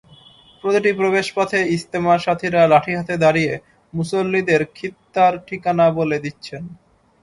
প্রতিটি প্রবেশপথে ইজতেমার সাথিরা লাঠি হাতে দাঁড়িয়ে মুসল্লিদের খিত্তার ঠিকানা বলে দিচ্ছেন।